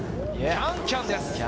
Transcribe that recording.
キャンキャンです。